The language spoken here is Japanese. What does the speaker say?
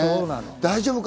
大丈夫か？